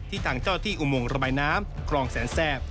ทางเจ้าที่อุโมงระบายน้ำคลองแสนแสบ